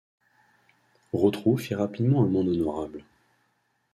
Rotrou fit rapidement amende honorable.